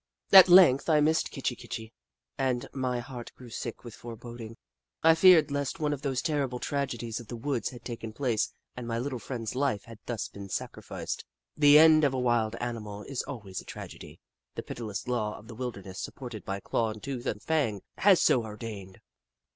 At length, I missed Kitchi Kitchi, and my heart grew sick with foreboding. I feared lest one of those terrible tragedies of the woods had taken place and my little friend's life had thus been sacrificed. The end of a wild ani mal is always a tragedy — the pitiless law of the wilderness, supported by claw and tooth and fang, has so ordained.